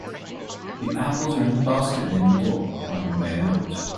The apples are in the basket near the door on your way out.